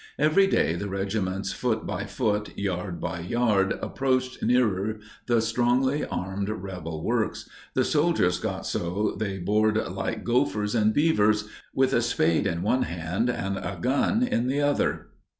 Every day the regiments foot by foot, yard by yard, approached nearer the strongly armed rebel works. The soldiers got so they bored like gophers and beavers, with a spade in one hand and a gun in the other.